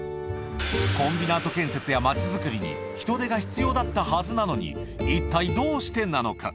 コンビナート建設や街づくりに人手が必要だったはずなのに、一体どうしてなのか。